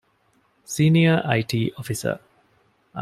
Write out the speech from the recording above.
ސީނިއަރ އައި.ޓީ އޮފިސަރ